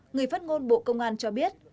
người phát ngôn bộ công an cho biết